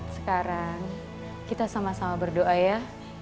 sekarang kita sama sama berdoa ya